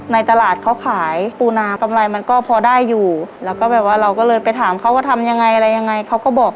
ในตลาดเขาขายปูนากำไรมันก็พอได้อยู่แล้วก็แบบว่าเราก็เลยไปถามเขาว่าทำยังไงอะไรยังไงเขาก็บอก